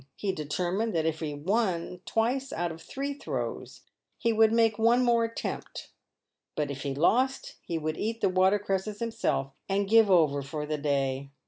He determined that if he won twice out of three throws, he would make one more attempt, but if he lost he would eat the water cresses himself and give over for the day.